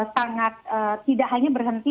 sangat tidak hanya berhenti